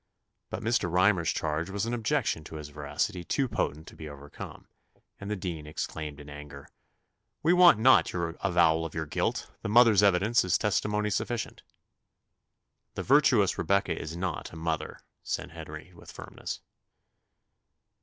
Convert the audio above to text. But Mr. Rymer's charge was an objection to his veracity too potent to be overcome; and the dean exclaimed in anger "We want not your avowal of your guilt the mother's evidence is testimony sufficient." "The virtuous Rebecca is not a mother," said Henry, with firmness.